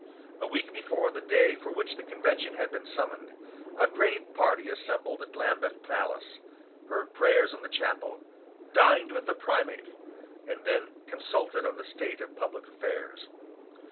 A week before the day for which the Convention had been summoned, a grave party assembled at Lambeth Palace, heard prayers in the chapel, dined with the Primate, and then consulted on the state of public affairs.